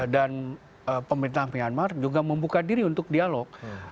dan pemerintah myanmar juga membuka diri untuk dialog